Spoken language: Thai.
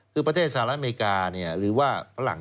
คือประเทศสหรัฐอเมริกาหรือว่าฝรั่ง